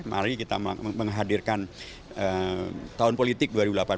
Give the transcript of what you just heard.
mari kita menghadirkan tahun politik dua ribu delapan belas dua ribu sembilan belas